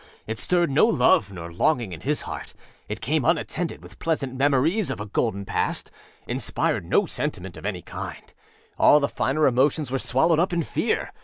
It stirred no love nor longing in his heart; it came unattended with pleasant memories of a golden pastâinspired no sentiment of any kind; all the finer emotions were swallowed up in fear.